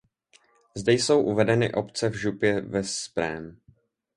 Zde jsou uvedeny obce v župě Veszprém.